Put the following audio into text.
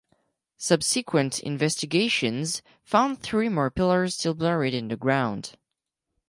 Subsequent investigations found three more pillars still buried in the ground.